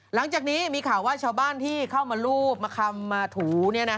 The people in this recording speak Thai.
หลังจากนี้มีข่าวว่าชาวบ้านที่เข้ามารูปมาคำมาถู